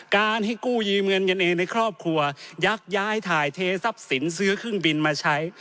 การให้กู้ยืมเงินกันเองในครอบครัวยักย้ายถ่ายเททรัพย์สินซื้อเครื่องบินมาใช้